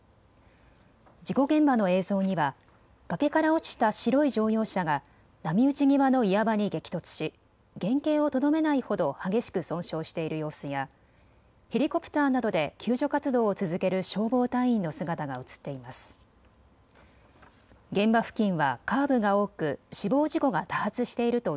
事故現場の映像には崖から落ちた白い乗用車が波打ち際の岩場に激突し原形をとどめないほど激しく損傷している様子やヘリコプターなどで救助活動を続ける消防隊員の姿が映っています。